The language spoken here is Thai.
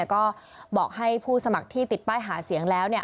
ก็บอกให้ผู้สมัครที่ติดป้ายหาเสียงแล้ว